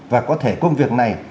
và có thể công việc này